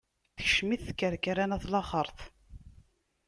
Tekcem-it tkerkra n at laxeṛt.